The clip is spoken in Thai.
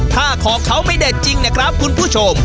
ถ้าของเขาไม่เด็ดจริงนะครับคุณผู้ชม